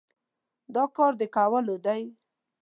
دا کار د کولو دی؟